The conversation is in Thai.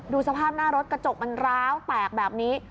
สภาพหน้ารถกระจกมันร้าวแตกแบบนี้